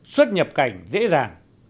xuất nhập cảnh dễ dàng